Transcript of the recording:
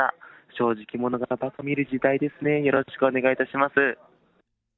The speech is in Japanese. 正直者がばか見る時代ですね、よろしくお願いいたします。